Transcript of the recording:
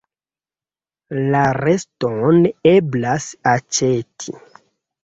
La reston eblas aĉeti.